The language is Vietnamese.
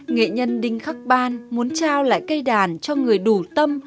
nghệ nhân đinh khắc ban muốn trao lại cây đàn cho người đủ tâm